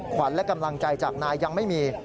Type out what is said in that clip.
ขวัญและกำลังใจจากนายยังไม่มี